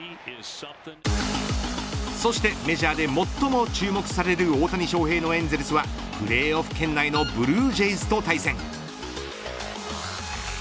そして、メジャーで最も注目される大谷翔平のエンゼルスはプレーオフ圏内のブルージェイズと対戦。